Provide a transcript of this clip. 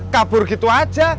kabur gitu aja